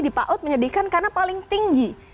di paut menyedihkan karena paling tinggi